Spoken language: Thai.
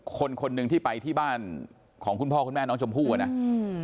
คนคนหนึ่งที่ไปที่บ้านของคุณพ่อคุณแม่น้องชมพู่อ่ะนะอืม